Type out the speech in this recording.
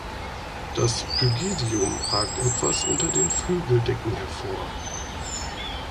Das Pygidium ragt etwas unter den Flügeldecken hervor.